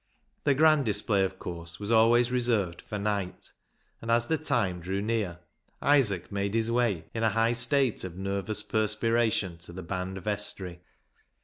The grand display, of course, was always reserved for night, and as the time drew near ISAAC'S ANGEL 255 Isaac made his way in a high state of nervous perspiration to the band vestry.